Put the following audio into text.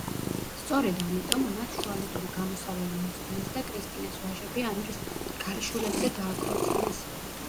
სწორედ ამიტომ, მათ შუალედური გამოსავალი მოძებნეს და კრისტინას ვაჟები ანრის ქალიშვილებზე დააქორწინეს.